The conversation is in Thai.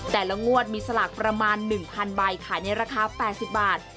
แต่ละงวดมีสลากประมาณ๑๐๐ใบขายในราคา๘๐บาท